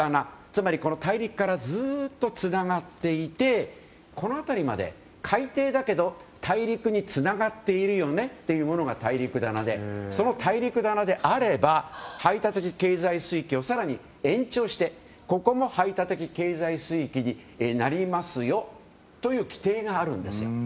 つまり、大陸からずっとつながっていてこの辺りまで、海底だけど大陸につながっているよねというのが大陸棚でその大陸棚であれば排他的経済水域を更に延長してここも排他的経済水域になりますよという規定があるんですよ。